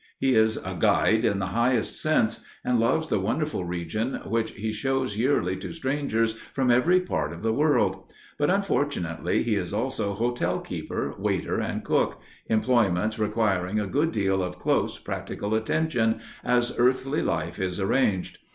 He is a "Guide" in the highest sense, and loves the wonderful region which he shows yearly to strangers from every quarter of the world. But, unfortunately, he is also hotel keeper, waiter, and cook—employments requiring a good deal of close, practical attention, as earthly life is arranged.